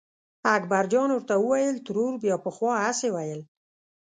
اکبرجان ورته وویل ترور بیا پخوا هسې ویل.